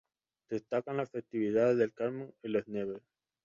Destacan las festividades del Carmen y de Las Nieves.